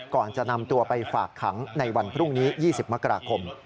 ก่อนจะนำตัวไปฝากขังในวันพรุ่งนี้๒๐มกราคม